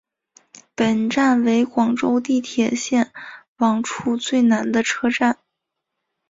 本站为广州地铁线网位处最南的车站。